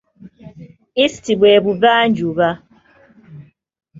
East bwe Buvanjuba